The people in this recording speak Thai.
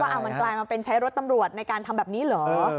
เอามันกลายมาเป็นใช้รถตำรวจในการทำแบบนี้เหรอ